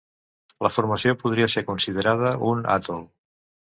La formació podria ser considerada un atol.